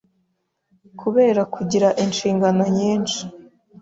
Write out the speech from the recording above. Kubera kugira inshingano nyinshi